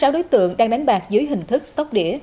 ba mươi sáu đối tượng đang đánh bạc dưới hình thức sóc đĩa